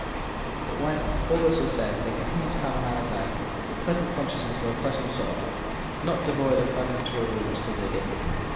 But when this was said all was said; they continued to have, on either side, the pleasant consciousness of a personal soil, not devoid of fragmentary ruins, to dig in.